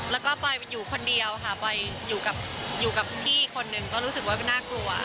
แล้วก็ปอยอยู่คนเดียวค่ะปอยอยู่กับพี่คนหนึ่งก็รู้สึกว่าน่ากลัว